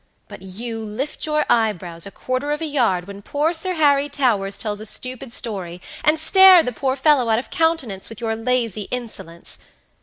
But you lift your eyebrows a quarter of a yard when poor Sir Harry Towers tells a stupid story, and stare the poor fellow out of countenance with your lazy insolence.